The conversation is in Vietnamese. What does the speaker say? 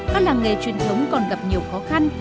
các làng nghề truyền thống còn gặp nhiều khó khăn